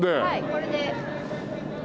これで。